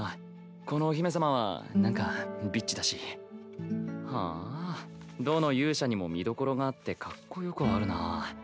このお姫様は何かビッチだし。はどの勇者にも見どころがあってかっこよくはあるな。